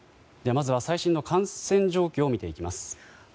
まずは最新の感染状況を見ていきます。